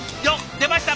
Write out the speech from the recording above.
出ました！